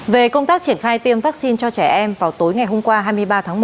về công tác triển khai tiêm vaccine cho trẻ em vào tối ngày hôm qua hai mươi ba tháng một